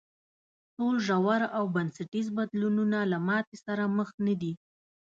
ټول ژور او بنسټیز بدلونونه له ماتې سره مخ نه دي.